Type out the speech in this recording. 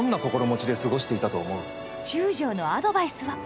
中将のアドバイスは。